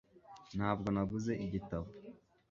ntabwo naguze igitabo